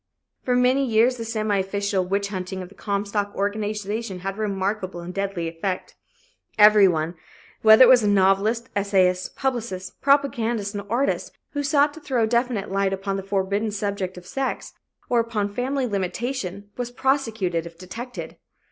For many years the semi official witch hunting of the Comstock organization had a remarkable and a deadly effect. Everyone, whether it was novelist, essayist, publicist, propagandist or artist, who sought to throw definite light upon the forbidden subject of sex, or upon family limitation, was prosecuted if detected.